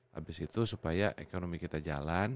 habis itu supaya ekonomi kita jalan